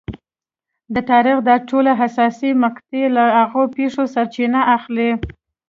د تاریخ دا ټولې حساسې مقطعې له هغې پېښې سرچینه اخلي.